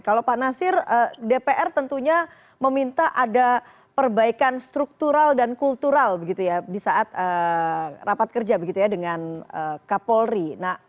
kalau pak nasir dpr tentunya meminta ada perbaikan struktural dan kultural di saat rapat kerja dengan kapolri